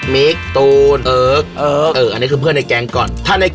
มาเอาแกงฮี่หวี